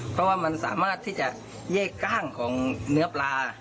เพราะว่ามันสามารถที่จะแยกกล้างของเนื้อปลา